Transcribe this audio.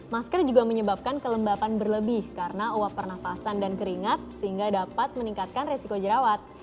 masker juga menyebabkan kelembapan berlebih karena uap pernafasan dan keringat sehingga dapat meningkatkan resiko jerawat